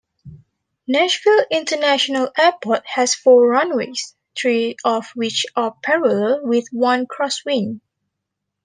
Nashville International Airport has four runways, three of which are parallel with one crosswind.